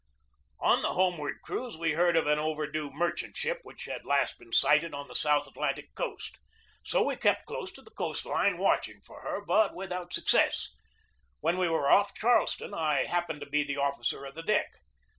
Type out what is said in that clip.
On the homeward cruise we heard of an overdue merchant ship which had last been sighted on the South Atlantic coast. So we kept close to the coast line watching for her, but without success. When we were off Charleston I happened to be the officer of the deck.